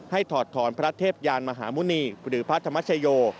ถอดถอนพระเทพยานมหาหมุณีหรือพระธรรมชโย